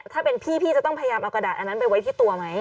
ถ้าเป็นพี่พี่จะต้องพยายามเอากระดาษอันนั้นไปไว้ที่ตัวไหม